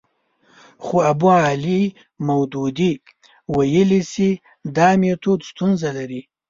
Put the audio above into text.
خو ابوالاعلی مودودي ویلي چې دا میتود ستونزه لري.